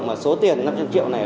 mà số tiền năm trăm linh triệu này